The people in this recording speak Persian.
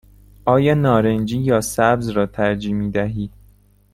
آیا نارنجی یا سبز را ترجیح می دهی؟